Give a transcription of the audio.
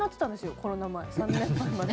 コロナ前、３年前まで。